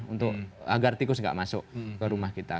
untuk agar tikus nggak masuk ke rumah kita